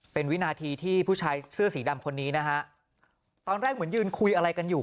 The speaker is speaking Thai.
เป็นวินาทีที่ผู้ชายเสื้อสีดำคนนี้นะฮะตอนแรกเหมือนยืนคุยอะไรกันอยู่